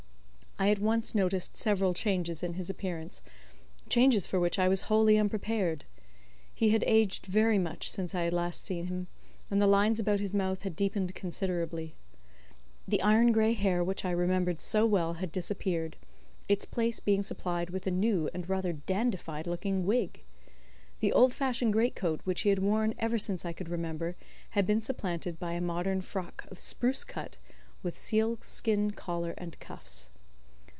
I at once noticed several changes in his appearance; changes for which I was wholly unprepared. He had aged very much since I had last seen him, and the lines about his mouth had deepened considerably. The iron grey hair which I remembered so well had disappeared; its place being supplied with a new and rather dandified looking wig. The oldfashioned great coat which he had worn ever since I could remember had been supplanted by a modern frock of spruce cut, with seal skin collar and cuffs.